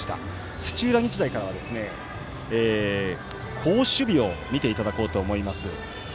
日大からは好守備を見ていただこうと思います。